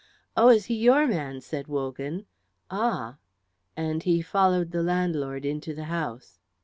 "Oh, is he your man?" said Wogan. "Ah!" And he followed the landlord into the house.